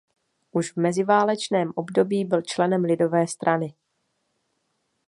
Už v meziválečném období byl členem lidové strany.